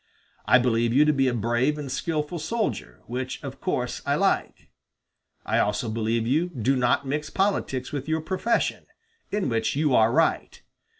I believe you to be a brave and skilful soldier, which, of course, I like. I also believe you do not mix politics with your profession, in which you are right.